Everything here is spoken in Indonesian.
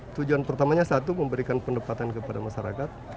tujuan pertamanya satu memberikan pendapatan kepada masyarakat